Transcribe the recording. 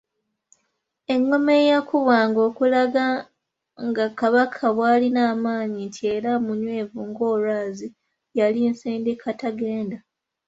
Engoma eyakubwanga okulaga nga Kabaka bw’alina amaanyi nti era munywevu ng’olwazi yali Nsindikatagenda.]